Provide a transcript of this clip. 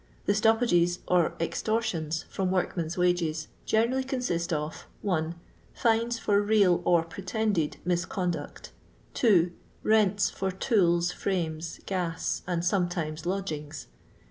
The stoppages or extortions from woriunen's wages genenUly consist of: — 1% Fines for real or pretended misconduct 2. Kents for tools, firiunes, gas, and sometimes lodgings.